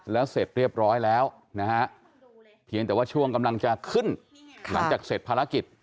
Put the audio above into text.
แล้วเสร็จเรียบร้อยแล้วนะฮะเพียงแต่ว่าช่วงกำลังจะขึ้นหลังจากเสร็จภารกิจ